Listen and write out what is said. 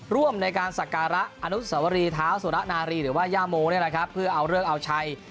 ร่วมในการศักราอนุสวรีท้าวสุระนารีหรือว่ายาโมเพื่อเอาเลือกเอาชัย